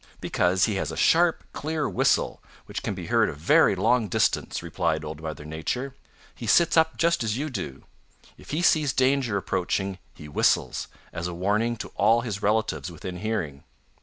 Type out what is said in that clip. "Because he has a sharp, clear whistle which can be heard a very long distance," replied Old Mother Nature. "He sits up just as you do. If he sees danger approaching he whistles, as a warning to all his relatives within hearing."